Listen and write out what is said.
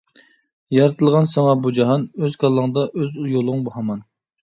يارىتىلغان ساڭا بۇ جاھان، ئۆز كاللاڭدا ئۆز يولۇڭ ھامان.